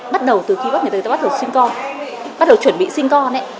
bắt đầu từ khi người ta bắt đầu sinh con bắt đầu chuẩn bị sinh con ấy